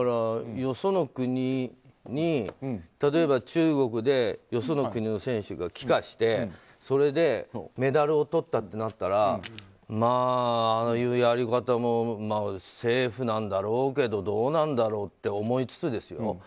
よその国に、例えば中国でよその国の選手が帰化してそれでメダルをとったとなったらああいうやり方もセーフなんだろうけどどうなんだろうって思いつつですよ。